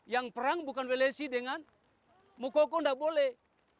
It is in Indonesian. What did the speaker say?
yang perang bukan velesi dengan mokoko tidak boleh